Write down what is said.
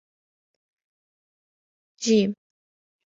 ج